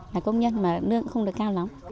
là công nhân mà lương cũng không được cao lắm